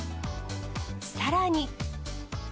さらに。